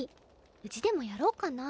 うちでもやろうかな？